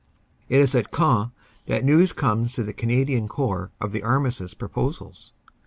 It is at Queant that news comes to the Canadian Corps of the armistice proposals.